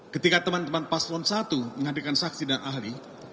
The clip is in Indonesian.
ketika teman teman paslon satu menghadirkan saksi dan ahli